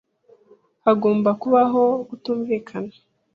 Hagomba kubaho kutumvikana.